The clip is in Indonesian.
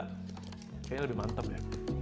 kayaknya lebih mantep ya